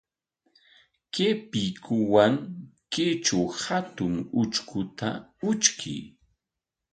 Kay piikuwan kaytraw hatun utrkuta utrkuy.